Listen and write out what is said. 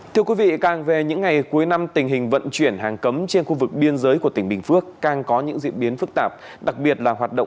thưa quý vị càng về những ngày cuối năm tình hình vận chuyển hàng cấm trên khu vực biên giới của tỉnh bình phước